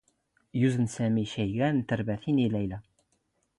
ⵢⵓⵣⵏ ⵙⴰⵎⵉ ⴽⵉⴳⴰⵏ ⵏ ⵜⴱⵔⴰⵜⵉⵏ ⵉ ⵍⴰⵢⵍⴰ.